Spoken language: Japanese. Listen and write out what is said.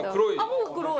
もう黒い！